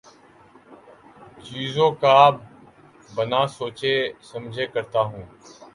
چیزوں کا بنا سوچے سمجھے کرتا ہوں